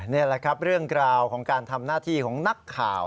นี่แหละครับเรื่องกล่าวของการทำหน้าที่ของนักข่าว